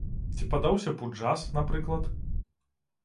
Ці падаўся б у джаз, напрыклад?